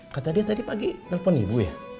kata dia tadi pagi nelpon ibu ya